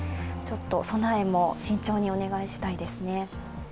備えも慎重にお願いしたいですね。